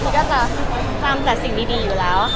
มันก็จะทำแต่สิ่งดีอยู่แล้วค่ะ